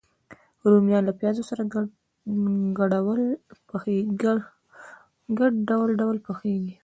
رومیان له پیاز سره ګډ ډول ډول پخېږي